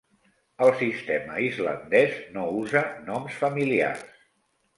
El sistema islandès no usa noms familiars.